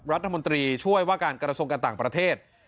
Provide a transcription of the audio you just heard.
รัฐมนตรีช่วยว่าการกระทรวงการต่างประเทศ